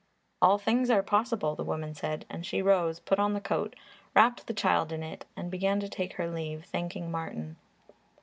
"All things are possible," the woman said, and she rose, put on the coat, wrapped the child in it and began to take her leave, thanking Martin.